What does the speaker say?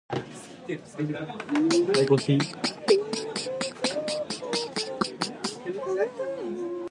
At that time, tensions between the United Nations and Iraq had escalated drastically.